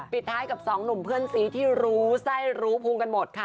ปิดท้ายกับสองหนุ่มเพื่อนซีที่รู้ไส้รู้ภูมิกันหมดค่ะ